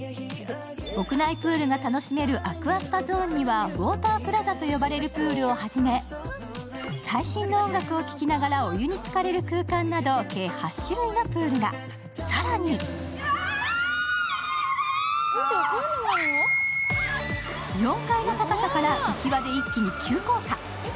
屋内プールが楽しめるアクアスパゾーンには、ウォータープラザと呼ばれるプールをはじめ最新の音楽を聞きながらお湯につかれる空間など計８種類のプールが更に４階の高さから浮き輪で一気に急降下。